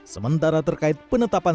sementara terkait penetapan